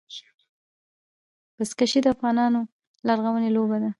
بزکشي د افغانانو لرغونې لوبه ده.